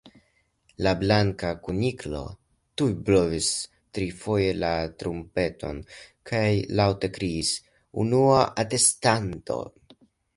La Blanka Kuniklo tuj blovis trifoje la trumpeton, kaj laŭte kriis: "Unua atestanto!"